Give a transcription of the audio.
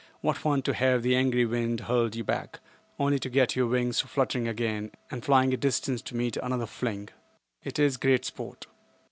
What fun to have the angry wind hurl you back—only to get your wings fluttering again, and flying a distance to meet another fling! It is great sport.